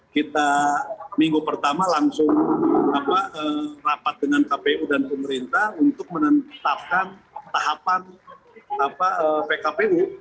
kita minggu pertama langsung rapat dengan kpu dan pemerintah untuk menetapkan tahapan pkpu